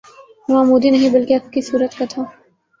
وہ عمودی نہیں بلکہ افقی صورت کا تھا